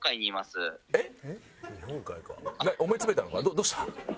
どうした？